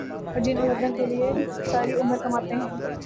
اور جن اولادوں کے لیئے ساری عمر کماتے ہیں